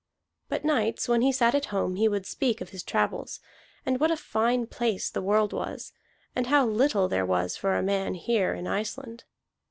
But nights when he sat at home he would speak of his travels, and what a fine place the world was, and how little there was for a man here in Iceland.